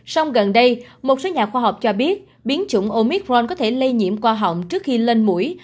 sông gần đây một số nhà khoa học cho biết biến chủng omicron có thể lây nhiễm qua họ hỏng trước khi lên mũi